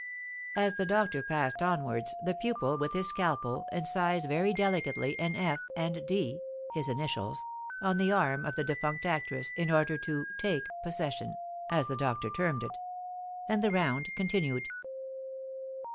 As the doctor passed onwards, the pupil, with his scalpel, incised very delicately an F. and D. (his initials) on the arm of the defunct actress, in order "to take possession," as the doctor termed it. And the round continued.